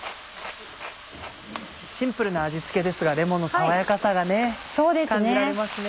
シンプルな味付けですがレモンの爽やかさが感じられますね。